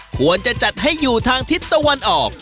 ควรจะจัดให้อยู่ทางทิศตะวันออก